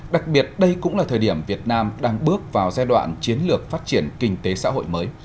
đặc biệt đây cũng là thời điểm việt nam đang bước vào giai đoạn chiến lược phát triển kinh tế xã hội mới